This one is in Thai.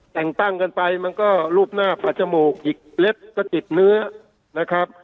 แต่งตั้งกันไปมันก็รูปหน้าปัดจมูกอีกเล็บก็ติดเนื้อนะครับ